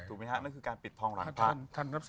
ถูกมั้ยฮะนั่นคือการปิดทองหลังพระ